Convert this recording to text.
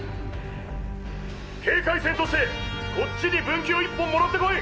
警戒線としてこっちに分岐を１本もらってこい。